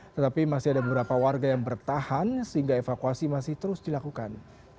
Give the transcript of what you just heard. tetapi masih ada beberapa warga yang bertahan sehingga evakuasi masih terus dilakukan